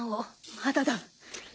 まだだ。